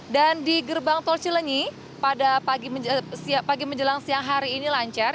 dan di gerbang tol cileni pada pagi menjelang siang hari ini lancar